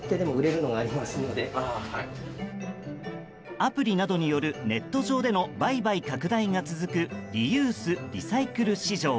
アプリなどによるネット上での売買拡大が続くリユース・リサイクル市場。